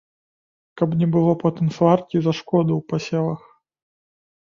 Каб не было потым сваркі за шкоду ў пасевах.